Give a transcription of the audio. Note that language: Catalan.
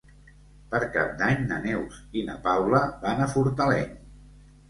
Per Cap d'Any na Neus i na Paula van a Fortaleny.